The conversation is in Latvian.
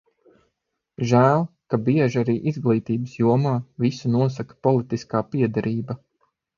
Žēl, ka bieži arī izglītības jomā visu nosaka politiskā piederība.